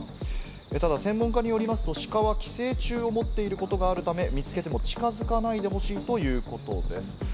ただ専門家によりますと、シカは寄生虫を持っていることがあるため、見つけても近づかないでほしいということです。